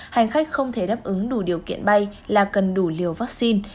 hành khách không thể đáp ứng đủ điều kiện bay là cần đủ liều vaccine